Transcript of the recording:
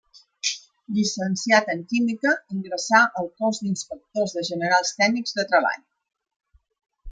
Llicenciat en química, ingressà al Cos d'Inspectors de Generals Tècnics de Treball.